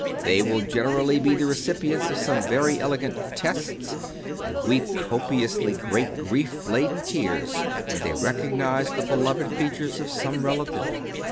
They will gen erally be the recipients of some very elegant " tests," and weep copiously great grief laden tears when they recognize the beloved features of some relative.